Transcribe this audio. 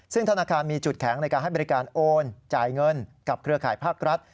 ซึ่งธนาคารมีจุดแข็งในการให้บริการโอนจ่ายเงินกับเครือข่ายภาครัฐ